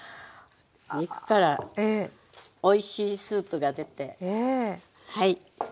肉からおいしいスープが出てはい